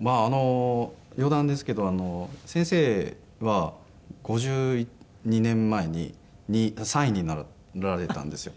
まあ余談ですけど先生は５２年前に３位になられたんですよ。